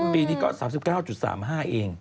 ปีนี้ก็๓๙๓๕เอง